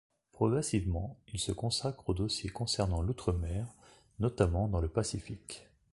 Progressivement, il se consacre aux dossiers concernant l'outre-mer, notamment dans le Pacifique.